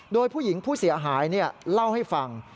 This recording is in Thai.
โดยผู้หญิงผู้เสียหายเล่าให้ฟัง